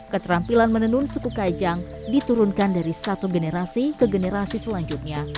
keterampilan menenun suku kajang diturunkan dari satu generasi ke generasi selanjutnya